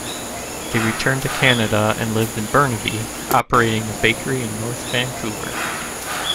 They returned to Canada and lived in Burnaby, operating a bakery in North Vancouver.